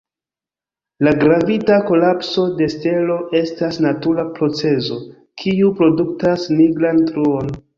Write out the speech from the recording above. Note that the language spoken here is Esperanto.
La gravita kolapso de stelo estas natura procezo kiu produktas nigran truon.